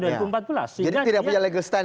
jadi tidak punya legal standing